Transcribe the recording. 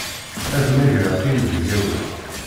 Ad mmagreɣ inebgawen.